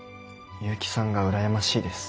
結城さんが羨ましいです。